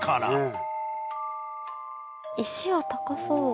石は高そう。